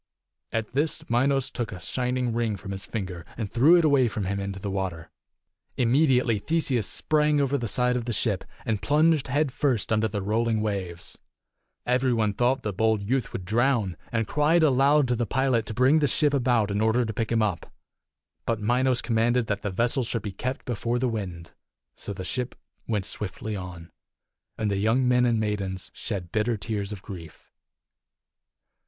At this Minos took a shining ring from his finger and threw it away from him into the water. Immediately Theseus sprang over the side of the ship, and plunged head first under the rolling waves. Every one thought the bold youth 274 would drown, and cried aloud to the pilot to bring the ship about in order to pick him up. But Minos commanded that the vessel should be kept before the wind. So the ship went swiftly on, and the young men and maidens shed bitter tears of grief.